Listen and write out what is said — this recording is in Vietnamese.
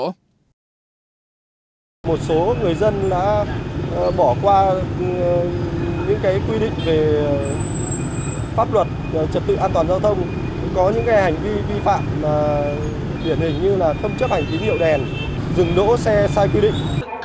cảnh sát giao thông đã bỏ qua những quy định về pháp luật trật tự an toàn giao thông có những hành vi vi phạm biển hình như không chấp hành tính hiệu đèn rừng đỗ xe sai quy định